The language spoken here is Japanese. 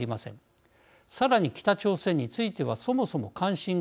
さらに北朝鮮についてはそもそも関心が薄いのが現状です。